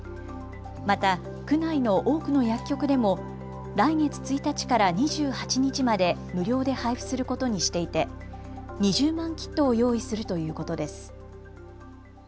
また、区内の多くの薬局でも来月１日から２８日まで無料で配布することにしていて２０万キットを用意するということです。